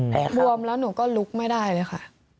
แพ้ครับบวมแล้วหนูก็ลุกไม่ได้เลยค่ะ